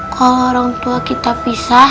kalau orang tua kita pisah